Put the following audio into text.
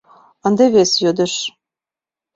Ынде вес йодыш...